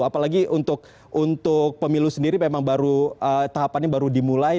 apalagi untuk pemilu sendiri memang baru tahapannya baru dimulai